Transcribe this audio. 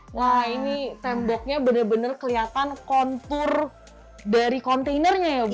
nah ini temboknya benar benar kelihatan kontur dari kontainernya ya bu ya